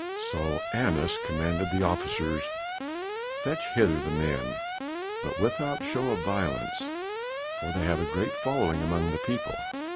So Annas commanded the officers, "Fetch hither the men, but without show of violence, for they have a great following among the people.